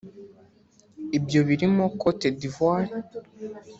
Ibyo birimo Côte d’Ivoire